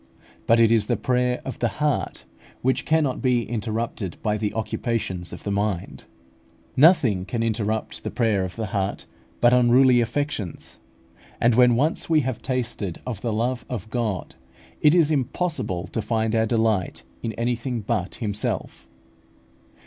But it is the PRAYER OF THE HEART, which cannot be interrupted by the occupations of the mind. Nothing can interrupt the prayer of the heart but unruly affections; and when once we have tasted of the love of God, it is impossible to find our delight in anything but Himself.